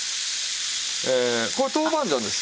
これ豆板醤です。